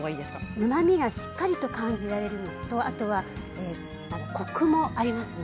うまみがしっかり感じられるのとコクもありますね。